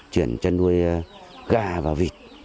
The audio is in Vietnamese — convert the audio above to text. chuyển chân nuôi gà và vịt